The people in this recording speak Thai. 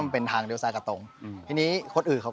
ชื่องนี้ชื่องนี้ชื่องนี้ชื่องนี้ชื่องนี้